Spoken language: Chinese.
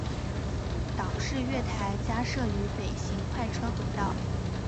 岛式月台加设于北行快车轨道。